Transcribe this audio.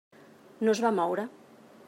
No es va moure.